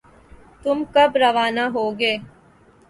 تم کب روانہ ہوگے؟